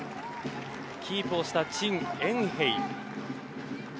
キープをしたチン・エンヘイ。